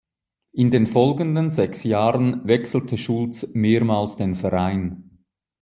In den folgenden sechs Jahren wechselte Schulz mehrmals den Verein.